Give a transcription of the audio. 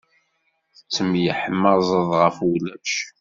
Tettemyeḥmaẓeḍ ɣef ulac.